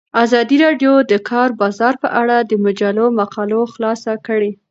ازادي راډیو د د کار بازار په اړه د مجلو مقالو خلاصه کړې.